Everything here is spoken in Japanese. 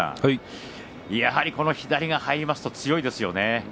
やはり左が入ると強いですね。